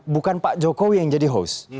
bukan pak jokowi yang jadi host